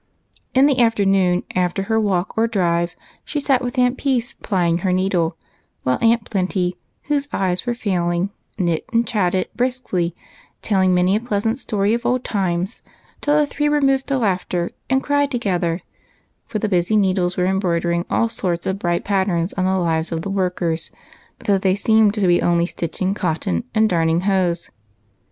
In the afternoon, after her walk or drive, she sat with Aunt Peace plying her needle, while Aunt Plenty, whose eyes were failing, knit and chatted briskly, telling many a pleasant story of old times, till the three were moved to laugh and cry together, for the busy needles were embroidering all sorts of bright patterns on the lives of the workers, though they seemed to be only stitching cotton and darning hose.